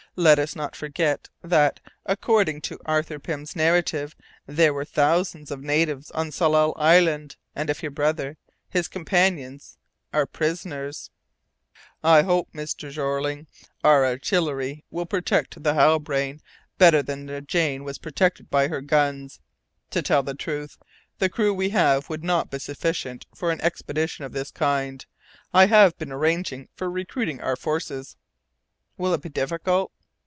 Let us not forget that, according to Arthur Pym's narrative, there were thousands of natives on Tsalal Island, and if your brother if his companions are prisoners " "I hope, Mr. Jeorling, our artillery will protect the Halbrane better than the Jane was protected by her guns. To tell the truth, the crew we have would not be sufficient for an expedition of this kind. I have been arranging for recruiting our forces." "Will it be difficult?"